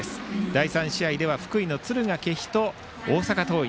第３試合では福井の敦賀気比と大阪桐蔭。